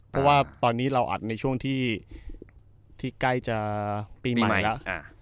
เพราะว่าตอนนี้เราอัดในช่วงที่ใกล้จะปีใหม่แล้ว